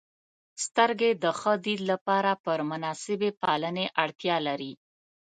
• سترګې د ښه دید لپاره پر مناسبې پالنې اړتیا لري.